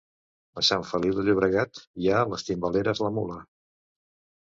A Sant Feliu de Llobregat hi ha les Timbaleres La Mula